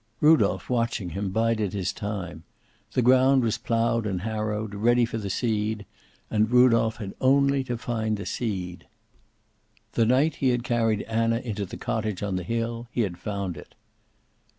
Rudolph, watching him, bided his time. The ground was plowed and harrowed, ready for the seed, and Rudolph had only to find the seed. The night he had carried Anna into the cottage on the hill, he had found it.